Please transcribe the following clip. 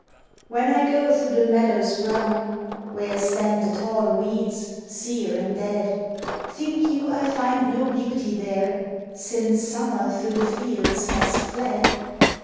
WHEN I go through the meadows brown, Where stand the tall weeds, sere and dead, Think you I find no beauty there, Since Summer through the fields has fled?